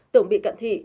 tưởng bị cận thị